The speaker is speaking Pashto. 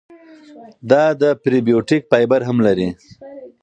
دا د پری بیوټیک فایبر هم لري.